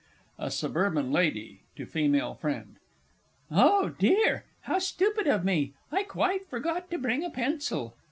A SUBURBAN LADY (to Female Friend). Oh dear, how stupid of me! I quite forgot to bring a pencil!